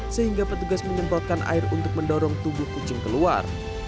sehingga petugas menyemprotkan air untuk mendorong tubuh kucing keluar